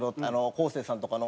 昴生さんとかの。